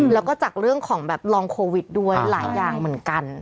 แล้วก็จากเรื่องของแบบลองโควิดด้วยหลายอย่างเหมือนกัน